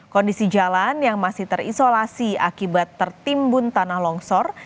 kondisi jalan yang masih terisolasi akibat tertimbun tanah longsor